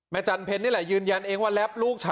แม่จันเพ็ญนี่แหละยืนยันเองว่า